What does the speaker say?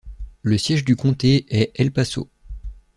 Le siège du comté est El Paso.